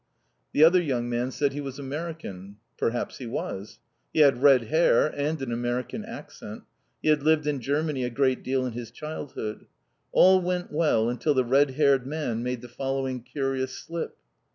The other young man said he was American. Perhaps he was. He had red hair and an American accent. He had lived in Germany a great deal in his childhood. All went well until the red haired man made the following curious slip.